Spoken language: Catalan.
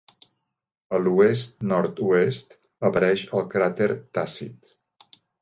A l'oest-nord-oest apareix el cràter Tàcit.